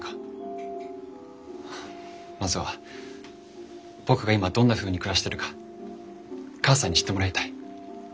まずは僕が今どんなふうに暮らしてるか母さんに知ってもらいたい。